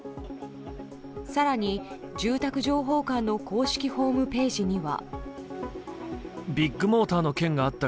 更に住宅情報館の公式ホームページには。